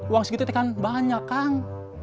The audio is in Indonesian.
uang segitu itu kan banyak kang